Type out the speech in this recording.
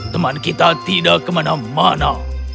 teman kita tidak kemana mana